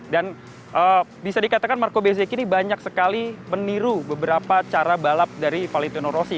dan bisa dikatakan marco bezzechi ini banyak sekali meniru beberapa cara balap dari valentino rossi